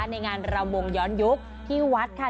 ในงานรำวงย้อนยุคที่วัดค่ะ